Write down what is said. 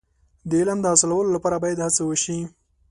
د علم د حاصلولو لپاره باید هڅې وشي.